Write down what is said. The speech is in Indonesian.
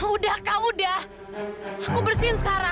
udah kau udah aku bersihin sekarang